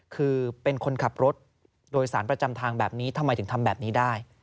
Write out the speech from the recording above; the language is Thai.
คือเป็นคนขับรถโดยสารประจำทางแบบนี้ทำไมถึงทำแบบนี้ได้